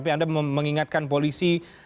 anda mengingatkan polisi